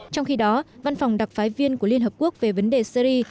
trong khi đó văn phòng đặc phái viên của liên hợp quốc về vấn đề syri